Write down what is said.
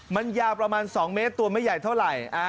มันยาวประมาณ๒เมตรตัวไม่ใหญ่เท่าไหร่